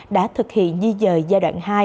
đã thực hiện di dời giai đoạn hai